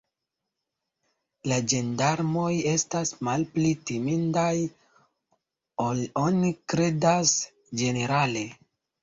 La ĝendarmoj estas malpli timindaj, ol oni kredas ĝenerale.